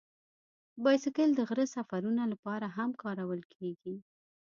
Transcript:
بایسکل د غره سفرونو لپاره هم کارول کېږي.